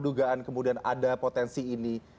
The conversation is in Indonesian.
dugaan kemudian ada potensi ini